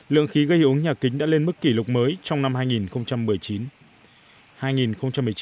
lượng khí gây hướng nhà kính đã lên mức kỷ lục mới trong năm hai nghìn một mươi chín